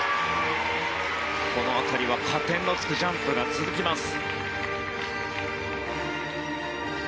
この辺りは加点のつくジャンプが続きます。